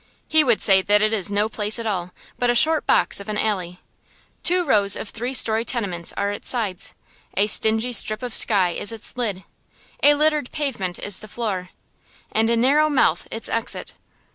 He would say that it is no place at all, but a short box of an alley. Two rows of three story tenements are its sides, a stingy strip of sky is its lid, a littered pavement is the floor, and a narrow mouth its exit.